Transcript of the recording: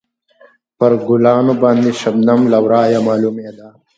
پر ګلانو باندې شبنم له ورایه معلومېده.